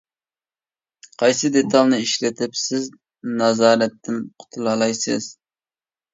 قايسى دېتالنى ئىشلىتىپ سىز نازارەتتىن قۇتۇلالايسىز؟ !